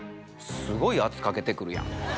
すごい圧かけてくるやん。